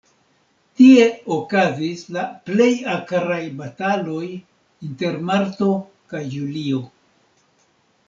Tie okazis la plej akraj bataloj, inter marto kaj julio.